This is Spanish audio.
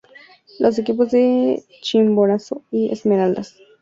Los equipos de Chimborazo y Esmeraldas.